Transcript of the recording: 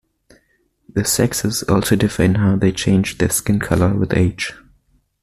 The sexes also differ in how they change their skin color with age.